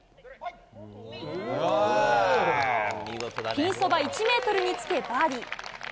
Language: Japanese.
ピンそば１ｍにつけ、バーディー。